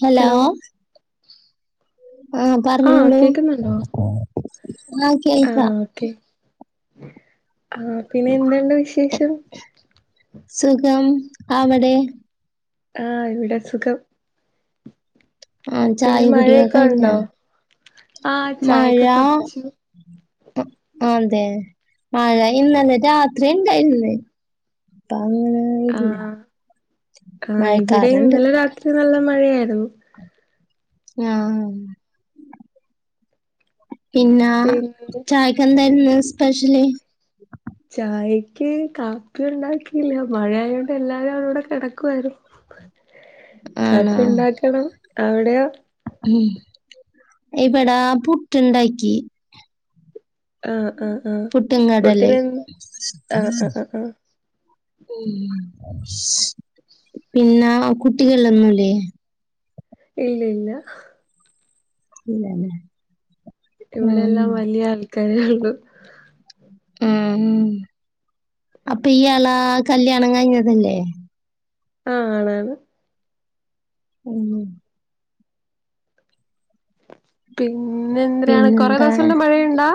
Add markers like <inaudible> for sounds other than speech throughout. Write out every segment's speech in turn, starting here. Hello ആ ആഹ് പറഞ്ഞോളൂ കേക്കുന്നുണ്ടോ ആ ആഹ് കേൾക്കാം ഓക്കെ ആഹ് പിന്നെ എന്തുണ്ട് വിശേഷം സുഖം അവിടെ ആഹ് ഇവിടേം സുഖം ആഹ് ചായ പിന്നെ കുടിയൊക്കെ മഴയൊക്കെ ഉണ്ടോ കഴിഞ്ഞോ ആഹ് മഴ ചായൊക്കെ അ കുടിച്ചു അതെ മഴ ഇന്നലെ രാത്രി ഇണ്ടായിര്ന്ന് ത്താ ഹ് <unintelligible> ആഹ് ആഹ് ഇവിടെയും മഴക്കാറുണ്ട് ഇന്നലെ രാത്രി നല്ല മഴയായിരുന്നു <unintelligible> പിന്ന പിന്നെ ചായക്കെന്തായിരുന്നു സ്പെഷ്യല് ചായക്ക് കാപ്പി ഉണ്ടാക്കില്ല മഴ ആയോണ്ട് എല്ലാരും അവടെ കെടക്കുവാരുന്നു ആണോ കാപ്പി ഉണ്ടാക്കണം അവിടെയോ ഉം ഇവിടെ പുട്ട്ണ്ടാക്കി ആഹ് ആ ആ പുട്ടും കടലെയും ആഹ് ആഹ് ആഹ് ആഹ് ഉം പിന്നെ കുട്ടികളൊന്നൂല്ലേ ഇല്ല ഇല്ല ഇല്ലാലേ ഇവിടെയെല്ലാം വല്ല്യ ആൾക്കാരേ ഒള്ളു ഉം അപ്പൊ ഇയാളെ കല്യാണം കഴിഞ്ഞതല്ലേ ആ ആണാണ് ഉം പിന്നെന്തിനാണ് കൊറേ പിന്നെന്താണ് ദെവസോണ്ട് മഴയ്ണ്ടാ?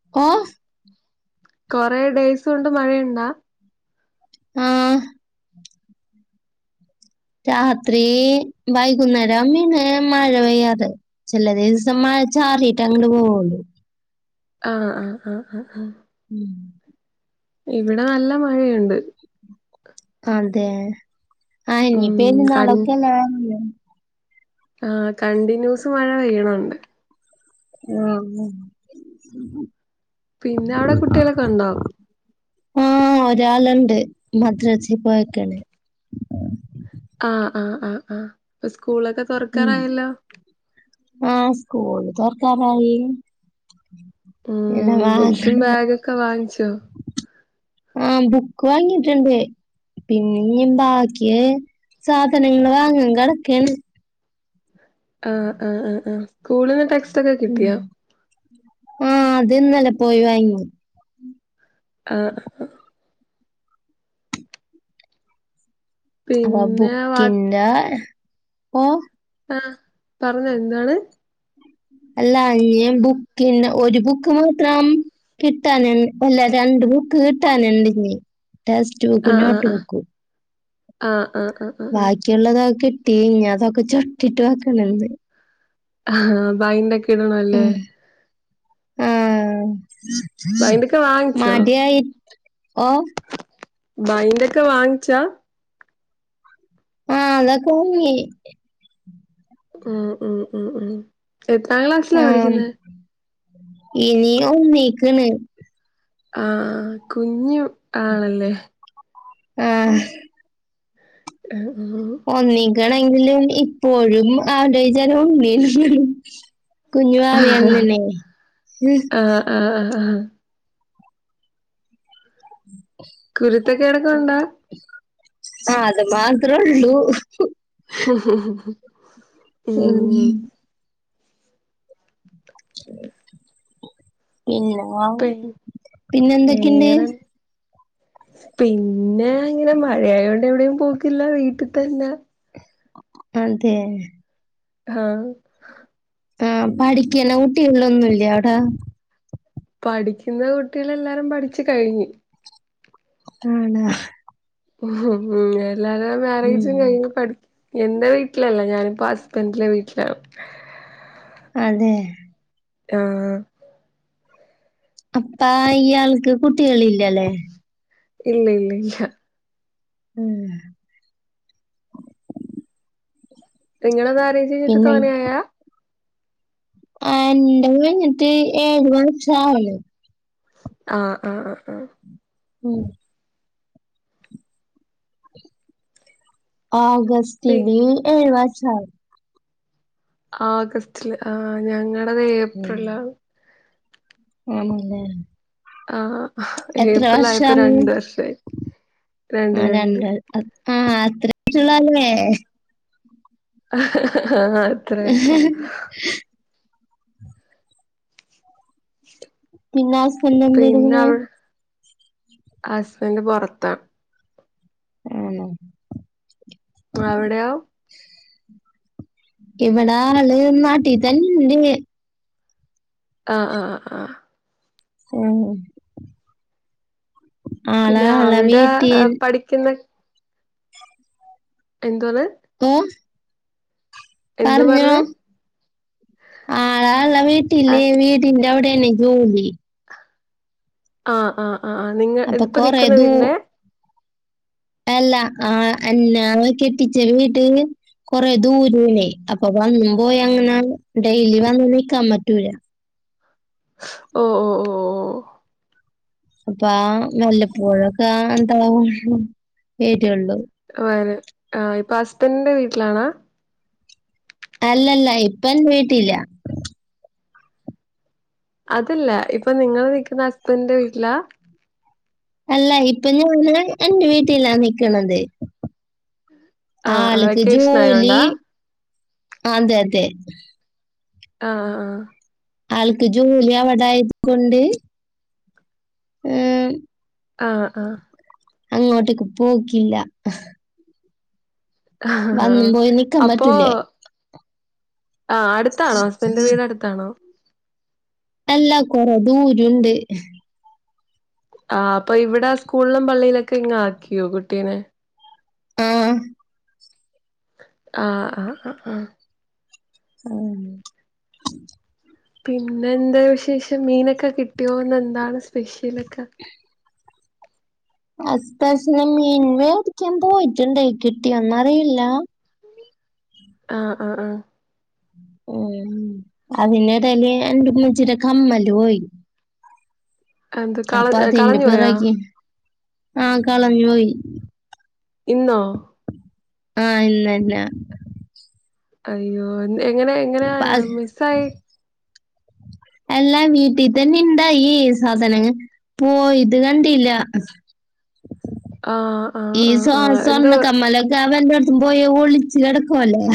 <unintelligible> കൊറേ ദിവസം കൊണ്ട് മഴ ഉണ്ടോ ആഹ് രാത്രി വൈകുന്നേരം പിന്നെ മഴ പെയ്യാതെ ചെല ദിവസം മഴ ചാറീട്ടങ്ങട് പോവൊള്ളു ആഹ് ആഹ് ആഹ് ആഹ് ആഹ് ഉം ഇവിടെ നല്ല മഴയുണ്ട് അതെ ആ ഇനി ഉം കൺ പെര്ന്നാളൊക്കല്ലെ വെര്ണ് ആഹ് കണ്ടിന്യൂസ് മഴ പെയ്യണണ്ട് ആന്ന് പിന്നെ അവിടെ കുട്ടികളൊക്കെ ഉണ്ടോ ആഹ് ഒരാള്ണ്ട് മദ്രസി പോയേക്കാണ് ആഹ് ആഹ് ആഹ് ആഹ് സ്കൂളൊക്കെ തൊറക്കാറായല്ലോ ആഹ് സ്കൂള് തൊർക്കാറായി എല്ലാ <unintelligible> ഒക്കെ വാങ്ങിച്ചോ? ആഹ് ബുക്ക് വാങ്ങീട്ട്ണ്ട് പിന്നെഞ്ഞ് ബാക്കി സാധനങ്ങള് വാങ്ങാൻ കെടക്കാണ് ആഹ് ആഹ് അ അ സ്കൂള്ന്ന് ടെ ഉം ആഹ് അത് ഇന്നലെ പോയി വാങ്ങി ആഹ് അത് പിന്നെ വാട്ട് പിന്നെ ഓ ആ പറഞ്ഞൊ എന്താണ് അല്ല ഇഞ്ഞ് ബുക്കിൻ്റെ ഒര് ബുക്ക് മാത്രം കിട്ടാന് അല്ല രണ്ട് ബുക്ക് കിട്ടാന്ണ്ട്ഞ്ഞി ടെക്സ്റ്റ് ബുക്കും ആഹ് നോട്ട് ആഹ് ബുക്കും ആഹ് ആഹ് ആഹ് ആഹ് ആഹ് ബാ ക്കിള്ളതൊക്കെ കിട്ടി ഇഞ്ഞതൊക്കെ ചുട്ടിട്ട് വെക്കണന്ന് ആഹ് ബൈൻഡൊക്കിടണല്ലേ? ആഹ് ബൈൻഡൊക്കെ വാങ്ങിച്ചോ മടിയായിട്ട് ഓ ബൈൻഡൊക്കെ വാങ്ങിച്ചാ ആഹ് അതൊക്കെ വാങ്ങി ഉം ഉം ഉം എത്രാം ക്ലാസ്സിലാ ആ പഠിക്ക്ന്ന് ഇനി ഒന്നിക്കാണ് ആഹ് കുഞ്ഞു ആണല്ലേ ആഹ് <inaudible> ഒന്നീക്കാണെങ്കിലും ഇപ്പോഴും ആള്ടെ വിചാരം ഉണ്ണീന്നാണ് കുഞ്ഞുവാവേന്ന്ല്ലേ ആഹ് ആഹ് കുരുത്തക്കേടൊക്കെ ഉണ്ടാ ആഹ് അത് മാത്രേള്ളു <unintelligible> ഉം പിന്നെ പി പിന്നെ എന്തൊക്കെയുണ്ട് വേറെ പിന്നെ അങ്ങനെ മഴയായോണ്ട് എവിടെയും പോക്കില്ല വീട്ടിൽ തന്നെ അതെ ആഹ് ആഹ് പഠിക്കണ കുട്ടികളൊന്നുംല്ല അവിടെ പഠിക്കുന്ന കുട്ടികള് എല്ലാരും പഠിച്ചു കഴിഞ്ഞു ആണോ ഉം എല്ലാരും ഉം മാരേജും കഴിഞ്ഞ് പഠി എന്റെ വീട്ടിലല്ല ഞാനിപ്പോ ഹസ്ബൻഡിൻ്റെ വീട്ടിലാണ് അതെ ആഹ് അപ്പാ ഇയാൾക്ക് കുട്ടികളില്ലല്ലേ ഇല്ല ഇല്ല ഇല്ല ഉം നിങ്ങളെ മാരേജ് കഴിഞ്ഞിട്ട് പിന്നെ തോനെയായാ ആഹ് എൻ്റെ കഴിഞ്ഞിട്ട് ഏഴ് വർഷം ആണ് ആഹ് ആഹ് ആഹ് ആഹ് ഉം പി അഗസ്റ്റിന് ഏഴ് വർഷാവ്ണ് ആഗസ്റ്റില് ആ ഞങ്ങളത് ഉം ഏപ്രിലിലാണ് ആണല്ലേ ആഹ് എത്ര ഏപ്രിൽ ആയപ്പോ വർഷാവും രണ്ട് വർഷം ആയി രണ്ട് രണ്ട് ആഹ് അത്രുള്ളു അല്ലേ ആഹ് അത്ര ആയിട്ടോള്ളു. പിന്നെ ഹസ്ബൻഡ് പിന്നെ എന്തെടുക്കണ് അവിടെ ഹസ്ബൻഡ് പൊറത്താ. ആണോ? അവിടെയോ? ഇവിടെ ആള് നാട്ടിൽ തന്നെയുണ്ട്. ആഹ് ആഹ് ആഹ് ആഹ്. ഉം ആളാ പിന്നെ ഇള്ള അവിടെ വീട്ടിൽ പഠിക്കുന്നു. എന്താണ്? ഓഹ് എന്തോ പറഞ്ഞോ, പറഞ്ഞേ ആളുള്ള വീട്ടില് വീ ആഹ് വീടിന്റെ അവിടെയാണ് ജോലി. ആഹ് ആഹ് ആഹ് നിങ്ങ അപ്പൊ ഇപ്പ കൊറേ നിക്കുന്ന ദൂ വീടിന്റെ. അല്ല ആഹ് എന്നെ കെട്ടിച്ചു വീട്. കൊറെ ദൂരമാണേ, അപ്പൊ വന്നും പോയി അങ്ങനെ ഡെയിലി വന്ന് നിൽക്കാൻ പറ്റൂല. ഓഹ് ഓഹ് ഓഹ് ഓഹ്. അപ്പ ആഹ് വല്ലപ്പോഴുമൊക്കെ ആഹ് എന്താവും ഉം വരുള്ളൂ. വരെ ആഹ് ഇപ്പൊ ഹുസ്ബൻഡിന്റെ വീട്ടിലാണോ? അല്ലല്ല ഇപ്പം എൻ്റെ വീട്ടിലില്ല. അതല്ല ഇപ്പൊ നിങ്ങള് നിക്കുന്ന ഹസ്ബൻഡിന്റെ വീട്ടിലാ. അല്ല ഇപ്പൊ ഞാന് എൻ്റെ വീട്ടിലാ നിക്കണത്. ആഹ് ആഹ് ആൾക്ക് വെക്കേഷൻ ജോലി, ആയോണ്ടാ അതെ അതെ. ആഹ് ആൾക്ക് ജോലി അവിടെ ആയതുകൊണ്ട്. ഉം ആഹ് ആഹ് അങ്ങോട്ടേക്ക് പോക്കില്ല. ആഹ് വന്നും പോയി നിക്കാൻ അപ്പൊ. പറ്റൂലേ ആഹ് അടുത്താണോ ഹസ്ബൻഡിന്റെ വീട് അടുത്താണോ? എല്ലാ കൊറെ ദൂരമുണ്ട്. ആഹ് അപ്പൊ ഇവിടെ സ്കൂളിലും പള്ളിയിലൊക്കെ ഇങ്ങ് ആക്കിയോ കുട്ടിനെ. ആഹ് ആഹ് ആഹ് ആഹ് ആഹ്. ആഹ് പിന്നെ എന്താ വിശേഷം മീൻ ഒക്കെ കിട്ടിയൊന്ന്, ഇന്ന് എന്താണ് സ്പെഷ്യലൊക്കെ. ഹുസ്ബൻഡ് മീൻ മേടിക്കാൻ പോയിട്ടുണ്ട് കിട്ടിയൊന്നുറിയില്ല. ആഹ് ആഹ് ആഹ്. ഉം അതിനിടയിൽ എന്റെ ഉമ്മച്ചിടെ കമ്മല് പോയി. എന്ത് കള അപ്പൊ അതിന്റെ കളഞ്ഞു പോയോ പിറകെ ആഹ് കളഞ്ഞുപോയി. ഇന്നോ? ആഹ് ഇന്ന് തന്നെ. അയ്യോ, എങ്ങനെ എങ്ങനെ പ- മിസ്സ്‌ ആയി. എല്ലാം വീട്ടിൽ തന്നെ ഇണ്ടായി, ഈ സാധനങ്ങൾ. പോയത് കണ്ടില്ല. ആഹ് ആഹ് ഈ ആഹ് സ്വ ആഹ് എന്തോ സ്വർണ്ണക്കമ്മലും. അവന്റെടത്തും പോയി ഒളിച്ച് കിടക്കുവല്ലേ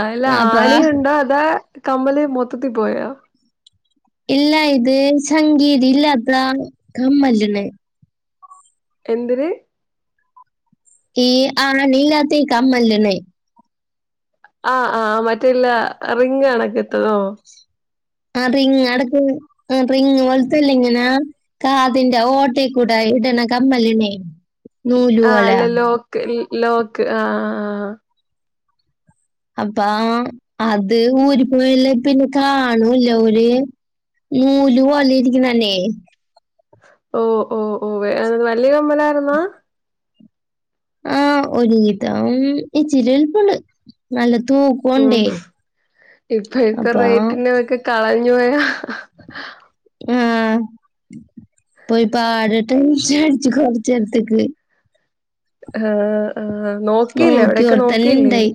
ആല്ല അപ്പൊ ആണിയുണ്ടോ അതാ കമ്മല് മൊത്തത്തി പോയോ ഇല്ലാ ഇത് സംഗീതി ഇല്ലാത്ത കമ്മലണ് എന്തിന് ഈ ആണീല്ലാത്ത ഈ കമ്മലിന് ആ ആ മറ്റെല്ല റിങ് ആണൊക്കെ എത്തതോ <unintelligible> കാതിന്റെ ഓട്ടക്കൂടെ ഇടണ കമ്മലിനെ നൂല് ആ പോലെ അല്ല ലോക്ക് ലോക്ക് ആഹ് ആഹ് അപ്പാ അത് ഊര് പോയല്ല പിന്നെ കാണൂല്ലോ ഓര് നൂല് പോല്ലെ ഇരിക്കുന്ന തന്നെ ഓ ഓ ഓ വേ വലിയ കമ്മലായിരുന്നാ ആഹ് ഒരു വിധം ഇച്ചിരി വലുപ്പൊണ്ട് നല്ല തൂക്കം ഉം ഇപ്പോഴത്തെ അപ്പൊ റേറ്റിനതൊക്കെ കളഞ്ഞു പോയാ ആഹ് പോയി പാടട്ട ചാടിച്ചു കൊറച്ച് എടി ത്തിക്ക് ആഹ് ആഹ് നോക്കിയില്ലേ അവിടൊക്കെ നോക്കിയോടത്തന്നെ നോക്കിയില്ലേ ഇണ്ടായി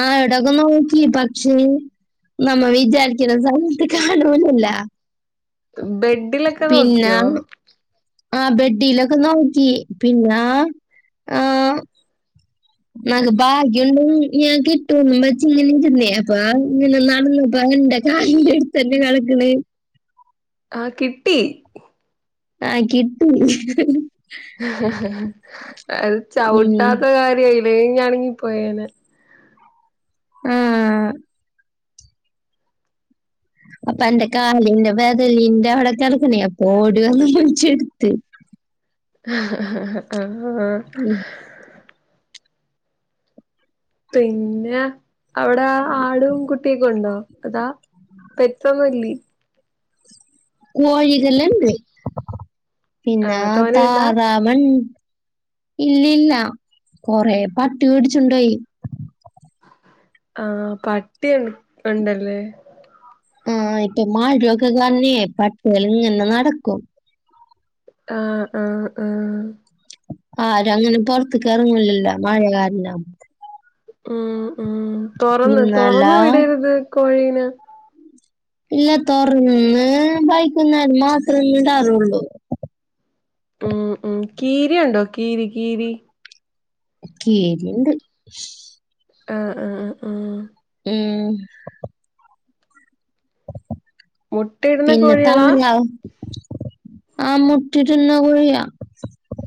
ആ എവിടൊക്കെ നോക്കി പക്ഷെ നമ്മ വിചാരിക്കുന്ന സമയത്ത് കാണൂലല്ല ബെഡിലൊക്കെ പിന്നെ നോക്കിയോ ആ ബെഡ്ഡിയിലൊക്കെ നോക്കി പിന്നെ ആഹ് നക്ക് ഭാഗ്യൊണ്ട ഞാൻ കിട്ടുംന്നും വച്ച ഇങ്ങനെ ഇരുന്നേ അപ്പ ഇങ്ങനെ നടന്നപ്പ എ <unintelligible> ആ കിട്ടി ആ കിട്ടി അത് ഉം ചവിട്ടാത്ത കാര്യ ഇല്ലങ്ങാണെങ്കി പോയേന ആഹ് അപ്പൊ എന്റെ കാലിന്റെ വെദലിന്റെ അവിടെ കിടക്കുന്ന അപ്പോ ഓടി വന്ന് പിടിച്ചെടുത്ത് ആഹ് <inaudible> പിന്നെ അവിടെ ആടും കുട്ടിയൊക്കെ ഉണ്ടോ അതാ പെറ്റസ്ഒന്നൂല്യ കോഴികൾ ഇണ്ട് ആ പിന്നെ തോനെയുണ്ടാ താറാവ് ഇല്ലല്ല കൊറെ പട്ടി കേടിച്ചുണ്ടോയി ആഹ് പട്ടി ഉണ്ടല്ലേ ആഹ് ഇപ്പൊ മാഴയൊക്കെ തന്നെയെ പട്ടികൽ ഇങ്ങനെ നടക്കും ആഹ് ആഹ് ആഹ് ആരും അങ്ങനെ പുറത്തക്ക് എറങ്ങലില്ല മഴ കാരണം ഉം ഉം തുറന്ന് പിന്നല്ല തുറന്ന് വിടരുത് കോയിനെ ഇല്ല തുറന്ന് വൈകുന്നേരം മാത്രമേ ഇടാറുള്ളൂ ഉം ഉം കീരിണ്ടോ കീരി കീരി കീറി ഇണ്ട് ആഹ് ആഹ് ആഹ് ഉം മുട്ടയിടുന്ന പിന്നെ താ കോഴികളാ ആഹ് മുട്ടിട്ന്ന കോഴിയാ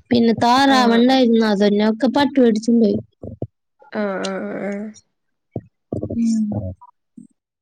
പിന്നെ ആ താറാവ്ണ്ടായിരുന്നു അതിനെ ഒക്കെ പട്ടി പിടിച്ചും പോയി ആഹ് ആഹ് ആഹ് ആഹ് ഉം